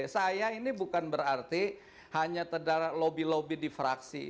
saya ini bukan berarti hanya terdapat lobby lobby di fraksi